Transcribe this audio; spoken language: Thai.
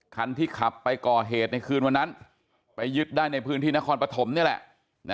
คันที่ขับไปก่อเหตุในคืนวันนั้นไปยึดได้ในพื้นที่นครปฐมนี่แหละ